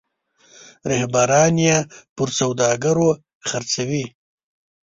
رهبران یې پر سوداګرو خرڅوي.